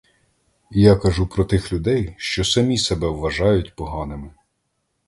Я кажу про тих людей, що самі себе вважають поганими.